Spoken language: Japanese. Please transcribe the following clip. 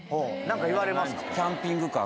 何か言われますか？